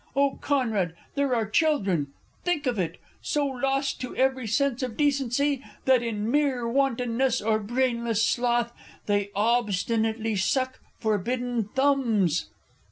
_ Oh, Conrad, there are children think of it! So lost to every sense of decency That, in mere wantonness or brainless sloth, They obstinately suck forbidden thumbs!